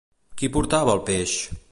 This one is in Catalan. Qui portava el peix?